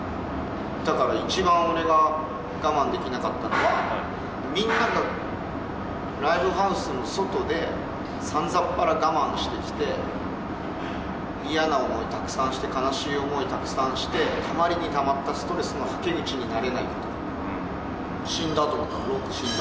だから一番俺が我慢できなかったのは、みんながライブハウスの外でさんざんっぱら我慢してきて、嫌な思いたくさんして、悲しい思いたくさんして、たまりにたまったストレスのはけ口になれないこと。